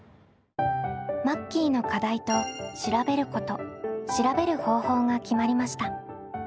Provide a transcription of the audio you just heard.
マッキーの課題と調べること調べる方法が決まりました。